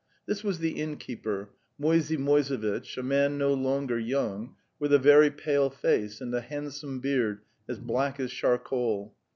This was the innkeeper, Moisey Moisevitch, a man no longer young, with a very pale face and a handsome beard as black as charcoal.